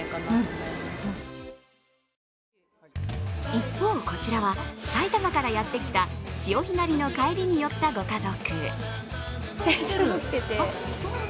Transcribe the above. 一方、こちらは埼玉からやってきた潮干狩りの帰りに寄ったご家族。